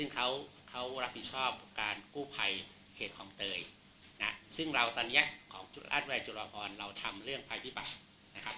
ซึ่งเขารับผิดชอบการกู้ภัยเขตคลองเตยนะซึ่งเราตอนนี้ของจุราชวัยจุฬาพรเราทำเรื่องภัยพิบัตินะครับ